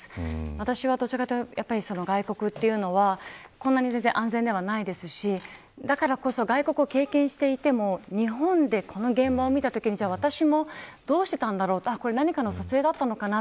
私はどちらかというと、外国はこんなに安全ではないしだからこそ外国を経験していても日本でこの現場を見たときに私もどうしていたんだろうと何かの撮影なのかな。